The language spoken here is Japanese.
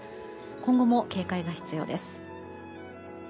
今後も警戒が必要です。